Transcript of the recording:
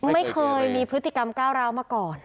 ไม่เคยมีพฤติกรรมก้าวร้าวมาก่อน